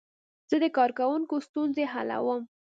زه د کاروونکو ستونزې حلوم.